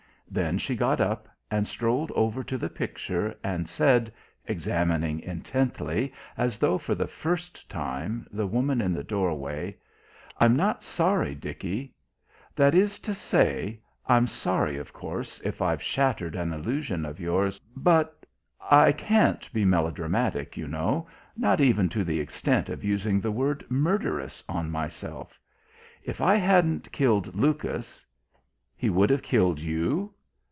Then she got up, and strolled over to the picture, and said, examining intently, as though for the first time, the woman in the doorway: "I'm not sorry, Dickie. That is to say, I'm sorry, of course, if I've shattered an illusion of yours, but I can't be melodramatic, you know, not even to the extent of using the word 'murderess' on myself. If I hadn't killed Lucas " "He would have killed you?"